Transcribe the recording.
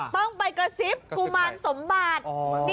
ต้องไปกระซิบกุมารสมบัติ